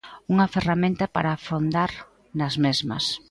Unha ferramenta para afondar nas mesmas.